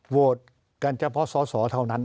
โหวตกันเฉพาะสอสอเท่านั้น